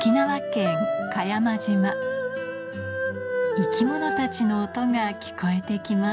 生き物たちの音が聞こえて来ます